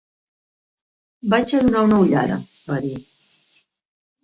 "Vaig a donar una ullada", va dir.